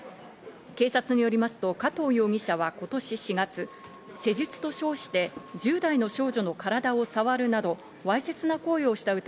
警察によりますと加藤容疑者は今年４月、施術と称して１０代の少女の体を触るなどわいせつな行為をした疑